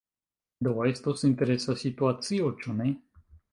Do, estos interesa situacio, ĉu ne?